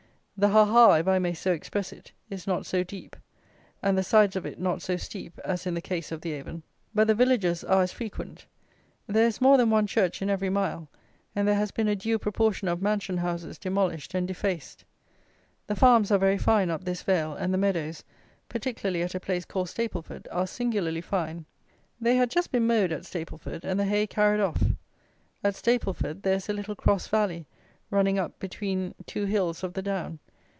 The Ah ah! if I may so express it, is not so deep, and the sides of it not so steep, as in the case of the Avon; but the villages are as frequent; there is more than one church in every mile, and there has been a due proportion of mansion houses demolished and defaced. The farms are very fine up this vale, and the meadows, particularly at a place called Stapleford, are singularly fine. They had just been mowed at Stapleford, and the hay carried off. At Stapleford, there is a little cross valley, running up between two hills of the down.